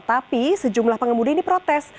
tapi sejumlah pengemudi ini protes